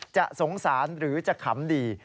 จะสงสารหรือจะขำดี